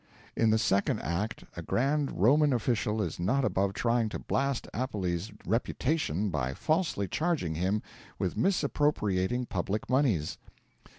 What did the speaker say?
In the second act a grand Roman official is not above trying to blast Appelles' reputation by falsely charging him with misappropriating public moneys.